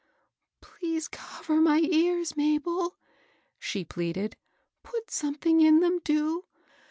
*' Please cover my ears, Mabel," she pleaded .*' put something in them, do